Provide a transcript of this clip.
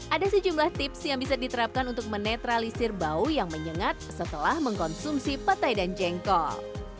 ada sejumlah tips yang bisa diterapkan untuk menetralisir bau yang menyengat setelah mengkonsumsi petai dan jengkol